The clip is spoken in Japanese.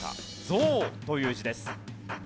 「像」という字です。